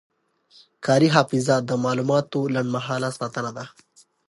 کاري حافظه د معلوماتو لنډمهاله ساتنه ده.